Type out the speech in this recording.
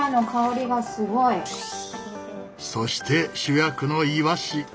そして主役のイワシ！